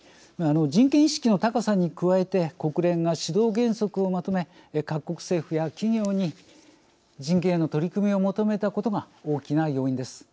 人権意識の高さに加えて国連が指導原則をまとめ各国政府や企業に人権への取り組みを求めたことが大きな要因です。